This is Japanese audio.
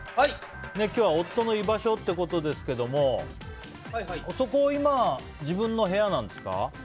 今日は夫の居場所ということですけどもそこ今、自分の部屋なんですか？